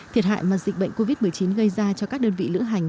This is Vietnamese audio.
thiệt hại mà dịch bệnh covid một mươi chín gây ra cho các đơn vị lữ hành